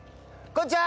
こんにちは！